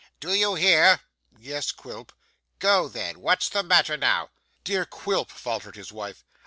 Do you hear?' 'Yes, Quilp.' 'Go then. What's the matter now?' 'Dear Quilp,' faltered his wife.